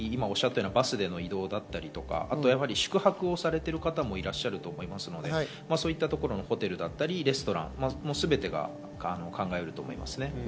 さらに今回バスでの移動だったりとか、宿泊されている方もいらっしゃると思いますので、そういったところのホテルやレストラン、すべてが考えうると思いますね。